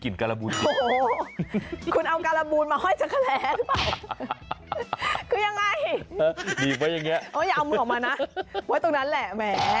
คืออย่าเอามือออกมานะไว้ตรงนั้นแหละแหม